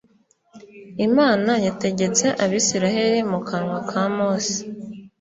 Imana yategetse Abisirayeli mu kanwa ka Mose